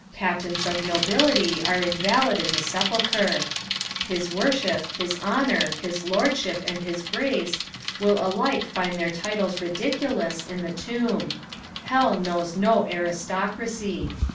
Patents of nobility are invalid in the sepulchre. His worship, his honour, his lordship, and hii grace, will alike find their titles ridiculous in the tomb. Hell knows no aristocracy.